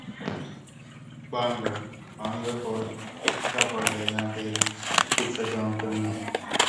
He was clean, yes.